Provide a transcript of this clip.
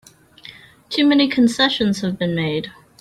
Too many concessions have been made!